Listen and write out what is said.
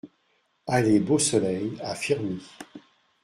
Allée Beau-Soleil à Firmi